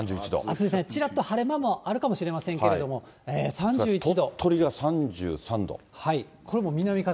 暑いんです、ちらっと晴れ間もあるかもしれませんけど、３１度。